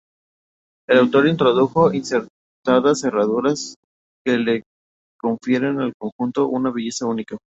El autor introdujo acertadas herraduras que le confieren al conjunto una belleza única.